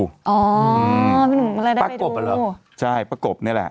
อ๋อพี่หนุ่มอะไรได้ไปดูป๊ากกบหรือใช่ป๊ากกบนี่แหละ